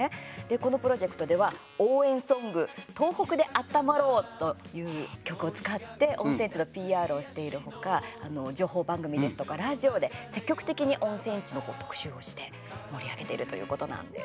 このプロジェクトでは応援ソング「とうほくであったまろう」という曲を使って温泉地のＰＲをしている他情報番組ですとかラジオで積極的に温泉地の特集をして盛り上げているということなんです。